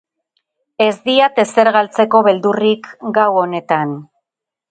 Ez diat ezer galtzeko beldurrik gau honetan.